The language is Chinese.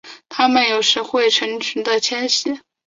它们有时会成群的迁徙。